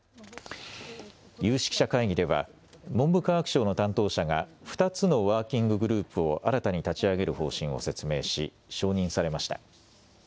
有識者会議では文部科学省の担当者が２つのワーキンググループを新たに立ち上げる方針を説明し承認されました。